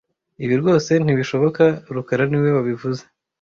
Ibi rwose ntibishoboka rukara niwe wabivuze